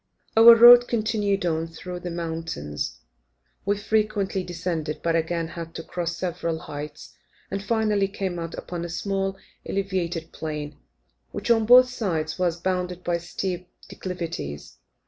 Our road continued on through the mountains. We frequently descended, but again had to cross several heights, and, finally, came out upon a small elevated plain, which, on both sides, was bounded by steep declivities.